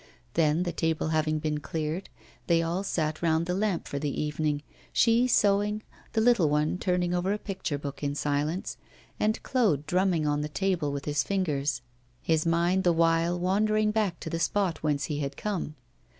Then, the table having been cleared, they all sat round the lamp for the evening, she sewing, the little one turning over a picture book in silence, and Claude drumming on the table with his fingers, his mind the while wandering back to the spot whence he had come.